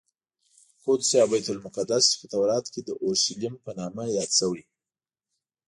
قدس یا بیت المقدس چې په تورات کې د اورشلیم په نامه یاد شوی.